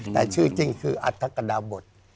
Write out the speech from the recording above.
แต่ชื่อจริงคืออัธกดาบท